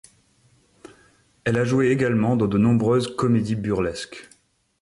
Elle a joué également dans de nombreuses comédies burlesques.